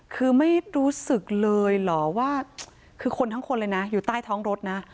คือไม่รู้สึกเลยเหรอว่าคือคนทั้งคนเลยนะอยู่ใต้ท้องรถนะ